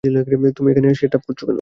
তুমি এখানে set up করেছো কেন?